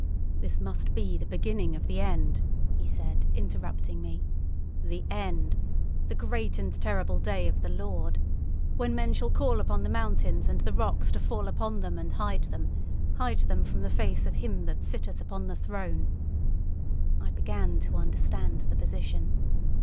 "This must be the beginning of the end," he said, interrupting me. "The end! The great and terrible day of the Lord! When men shall call upon the mountains and the rocks to fall upon them and hide them—hide them from the face of Him that sitteth upon the throne!" I began to understand the position.